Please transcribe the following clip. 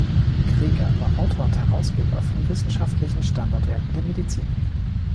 Greger war Autor und Herausgeber von wissenschaftlichen Standardwerken der Medizin.